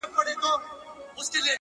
• چي په لاسونو كي رڼا وړي څوك؛